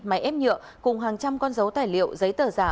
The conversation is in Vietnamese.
máy ép nhựa cùng hàng trăm con dấu tài liệu giấy tờ giả